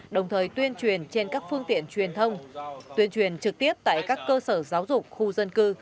đồng thời tuyên truyền trên các phương tiện truyền thông tuyên truyền trực tiếp tại các cơ sở giáo dục khu dân cư